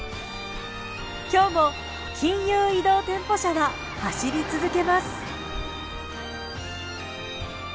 今日も金融移動店舗車は走り続けます。